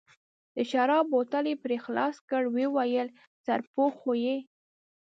د شرابو بوتل یې پرې خلاص کړ، ویې ویل: سرپوښ خو یې.